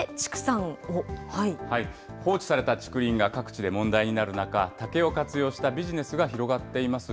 放置された竹林が各地で問題になる中、竹を活用したビジネスが広がっています。